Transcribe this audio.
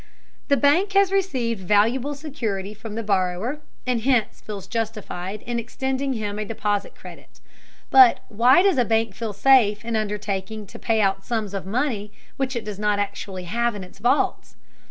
The bank has received valuable security from the borrower and hence feels justified in extending him a deposit credit. But, why does a bank feel safe in undertaking to pay out sums of money which it does not actually have in its vaults?